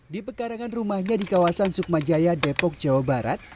di pekarangan rumahnya di kawasan sukmajaya depok jawa barat